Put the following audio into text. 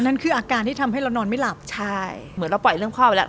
นั่นคืออาการที่ทำให้เรานอนไม่หลับใช่เหมือนเราปล่อยเรื่องพ่อไปแล้ว